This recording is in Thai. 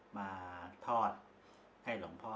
มาทอดให้หลวงพ่อ